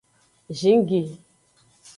Zingi.